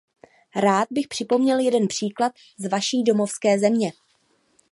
Rád bych připomněl jeden příklad z vaší domovské země.